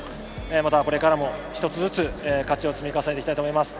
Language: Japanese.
またこれからも、一つずつ勝ちを積み重ねていきたいと思います。